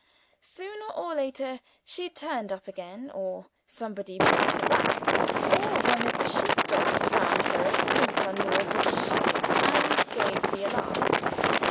Sooner or later, she turned up again or somebody brought her back or one of the sheep dogs found her asleep under a bush, and gave the alarm.